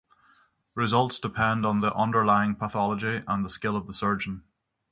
Results depend on the underlying pathology and the skill of the surgeon.